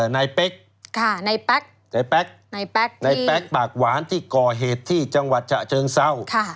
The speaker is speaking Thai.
นายเป๊กนายเป๊กนายเป๊กปากหวานที่ก่อเหตุที่จังหวัดเจ้าเชิงเศร้า